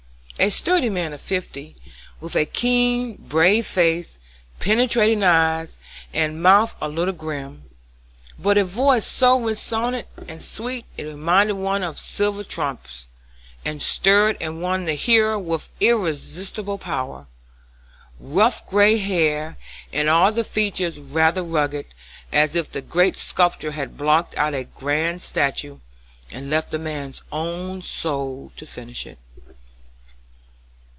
A sturdy man of fifty, with a keen, brave face, penetrating eyes, and mouth a little grim; but a voice so resonant and sweet it reminded one of silver trumpets, and stirred and won the hearer with irresistible power. Rough gray hair, and all the features rather rugged, as if the Great Sculptor had blocked out a grand statue, and left the man's own soul to finish it.